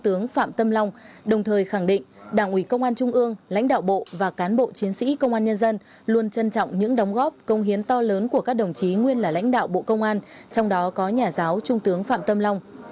tướng phạm ủy công an trung ương lãnh đạo bộ và cán bộ chiến sĩ công an nhân dân luôn trân trọng những đóng góp công hiến to lớn của các đồng chí nguyên là lãnh đạo bộ công an trong đó có nhà giáo trung tướng phạm tâm long